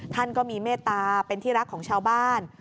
ท่านก็มีเมตตาเป็นที่รักของชาวบ้าน